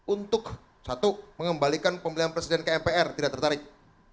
untuk satu mengembalikan pemilihan presiden ke mpr tidak tertarik